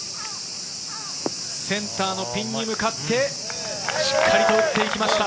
センターのピンに向かって、しっかりと打っていきました。